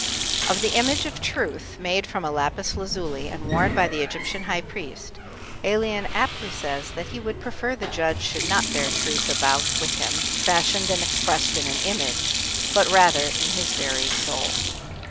Of the image of Truth, made from a lapis lazuli and worn by the Egyptian high priest, Ælian aptly says that he would prefer the judge should not bear Truth about with him, fashioned and expressed in an image, but rather in his very soul.